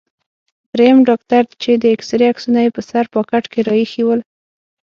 دریم ډاکټر چې د اېکسرې عکسونه یې په سر پاکټ کې را اخیستي ول.